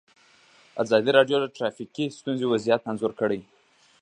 ازادي راډیو د ټرافیکي ستونزې وضعیت انځور کړی.